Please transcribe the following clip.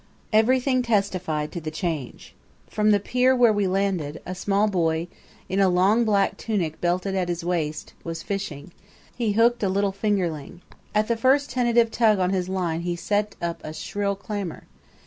Everything testified to the change. From the pier where we landed, a small boy, in a long black tunic belted in at his waist, was fishing; he hooked a little fingerling. At the first tentative tug on his line he set up a shrill clamor.